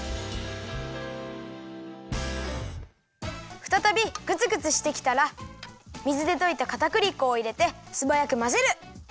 ふたたびグツグツしてきたら水でといたかたくり粉をいれてすばやくまぜる。